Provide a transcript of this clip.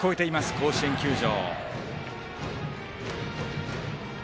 甲子園球場。